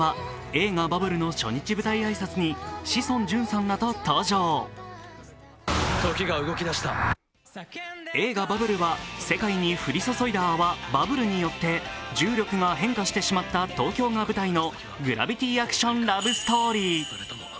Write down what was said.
映画「バブル」は世界に降り注いだ泡、バブルによって重力が変化してしまった東京が舞台のグラビティ・アクション・ラブストーリー。